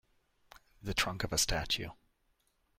The trunk of a statue.